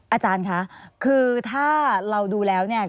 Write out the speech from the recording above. อาจารย์คะคือถ้าเราดูแล้วเนี่ย